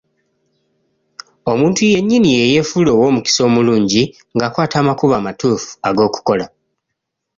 Omuntu yennyini ye yeefuula ow'omukisa omulungi ng'akwata amakubo amatuufu ag'okukola.